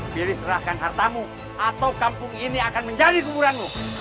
pilih serahkan hartamu atau kampung ini akan menjadi buburanmu